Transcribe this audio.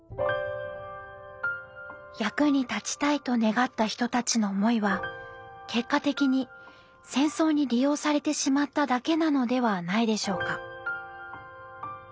役に立ちたいと願った人たちの思いは結果的に戦争に利用されてしまっただけなのではないでしょうか。